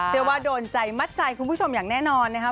เชื่อว่าโดนใจมัดใจคุณผู้ชมอย่างแน่นอนนะครับ